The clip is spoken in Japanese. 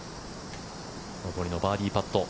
上りのバーディーパット。